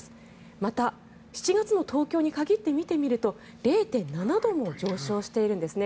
また、７月の東京に限って見てみると０．７度も上昇しているんですね。